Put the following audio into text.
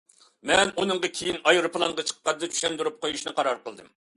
مەن ئۇنىڭغا كىيىن ئايروپىلانغا چىققاندا چۈشەندۈرۈپ قويۇشنى قارار قىلدىم.